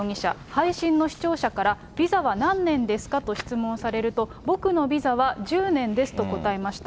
配信の視聴者から、ビザは何年ですか？と質問されると、僕のビザは１０年ですと答えました。